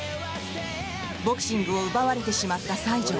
ボクシングを奪われてしまった西条。